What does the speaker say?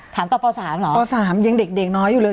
ถามต่อป๓เหรอป๓ยังเด็กน้อยอยู่เลย